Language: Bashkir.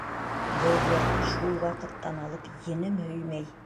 Был йырҙы шул ваҡыттан алып енем һөймәй.